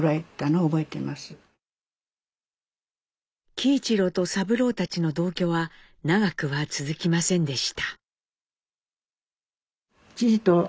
喜一郎と三郎たちの同居は長くは続きませんでした。